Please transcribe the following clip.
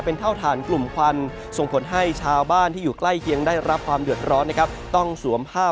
เป็นเท่าฐานกลุ่มควันส่งผลให้ชาวบ้านที่อยู่ใกล้เคียงได้รับความเดือดร้อนนะครับต้องสวมผ้า